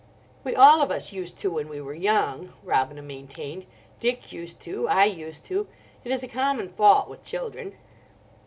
"We all of us used to when we were young," Robina maintained; "Dick used to, I used to. It is a common fault with children."